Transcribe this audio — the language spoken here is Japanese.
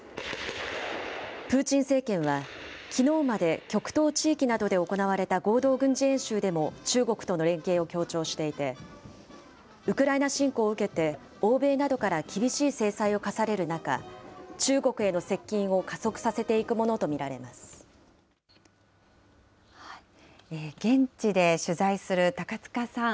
プーチン政権は、きのうまで極東地域などで行われた合同軍事演習でも、中国との連携を強調していて、ウクライナ侵攻を受けて、欧米などから厳しい制裁を科される中、中国への接近を加速させてい現地で取材する高塚さん。